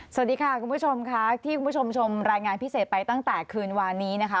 สวัสดีค่ะคุณผู้ชมค่ะที่คุณผู้ชมชมรายงานพิเศษไปตั้งแต่คืนวานนี้นะคะ